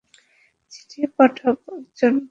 চিঠি পাঠাবো একজনকে।